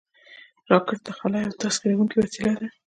راکټ د خلا یو تسخیر کوونکی وسیله ده